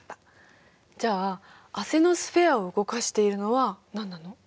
じゃあアセノスフェアを動かしているのは何なの？